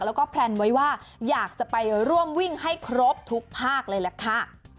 แล้วก็แพลนไว้ว่าอยากจะไปร่วมวิ่งให้ครบทุกภาคเลยล่ะค่ะ